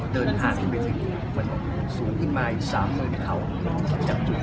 เราังคงไปขอแล้วกว่าจะผู้กลับ